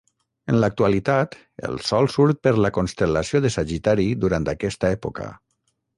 En l'actualitat, el Sol surt per la constel·lació de Sagitari durant aquesta època.